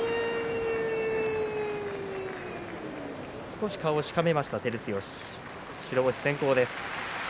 少し顔をしかめました照強、白星先行です。